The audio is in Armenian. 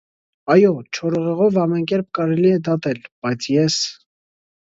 Այո՛, չոր ուղեղով ամեն կերպ կարելի է դատել, բայց ես…